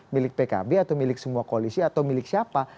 milik pkb atau milik semua koalisi atau milik siapa